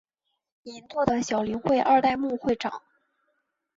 银座的小林会二代目会长。